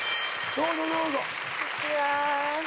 どうぞどうぞ。